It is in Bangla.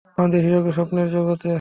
আমাদের হিরো কি স্বপ্নের জগতে?